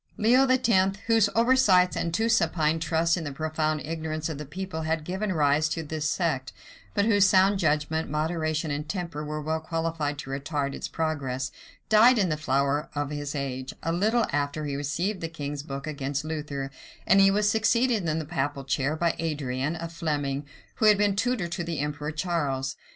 Leo X., whose oversights and too supine trust in the profound ignorance of the people had given rise to this sect, but whose sound judgment, moderation, and temper, were well qualified to retard its progress, died in the flower of his age, a little after he received the king's book against Luther, and he was succeeded in the papal chair by Adrian, a Fleming, who had been tutor to the emperor Charles.